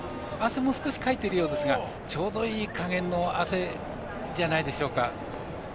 汗も少しかいているようですがちょうどいい加減の汗じゃないでしょうか。